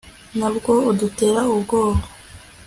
ntabwo udutera ubwoba